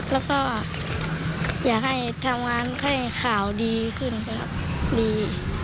แล้วก็อยากให้ทำงานให้ข่าวดีขึ้นครับดี